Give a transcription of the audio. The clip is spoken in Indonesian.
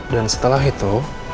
dan setelah itu